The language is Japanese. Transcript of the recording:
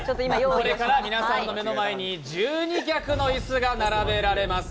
これから皆さんの目の前に１２脚の椅子が並べられています。